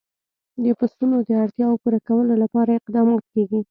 د پسونو د اړتیاوو پوره کولو لپاره اقدامات کېږي.